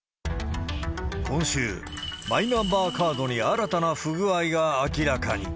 今週、マイナンバーカードに新たな不具合が明らかに。